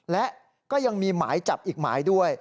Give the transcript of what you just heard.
และก็ยังมีหมายจับอีกหมายด้วย